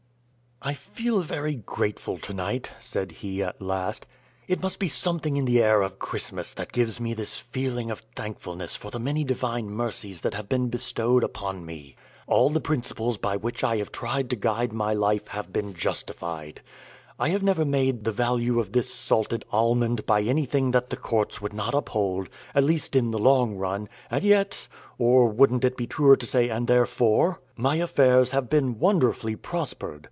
"I feel very grateful to night," said he, at last; "it must be something in the air of Christmas that gives me this feeling of thankfulness for the many divine mercies that have been bestowed upon me. All the principles by which I have tried to guide my life have been justified. I have never made the value of this salted almond by anything that the courts would not uphold, at least in the long run, and yet or wouldn't it be truer to say and therefore? my affairs have been wonderfully prospered.